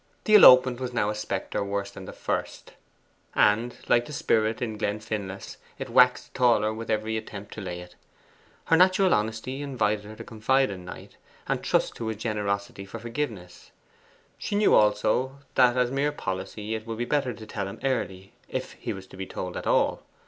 The elopement was now a spectre worse than the first, and, like the Spirit in Glenfinlas, it waxed taller with every attempt to lay it. Her natural honesty invited her to confide in Knight, and trust to his generosity for forgiveness: she knew also that as mere policy it would be better to tell him early if he was to be told at all.